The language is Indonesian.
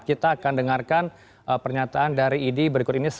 kita akan dengarkan pernyataan dari idi berikut ini